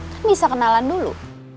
kan bisa kenalan dulu